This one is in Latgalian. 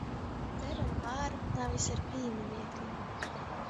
Dzer ar māru, navys ar pīminekli!